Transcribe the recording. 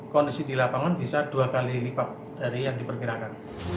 kondisi di lapangan bisa dua kali lipat dari yang diperkirakan